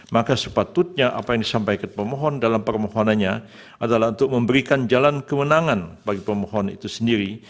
maka sepatutnya apa yang disampaikan pemohon dalam permohonannya adalah untuk memberikan jalan kemenangan bagi pemohon itu sendiri